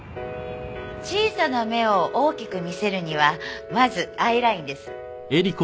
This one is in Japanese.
小さな目を大きく見せるにはまずアイラインです。